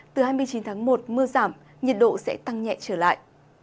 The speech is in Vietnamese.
từ hai mươi chín tháng một mưa giảm nhiệt độ sẽ tăng nhẹ trở lại